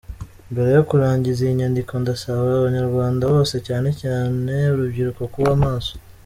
Mbere yo kurangiza iyi nyandiko , ndasaba abanyarwanda bose, cyane cyane urubyiruko, kuba maso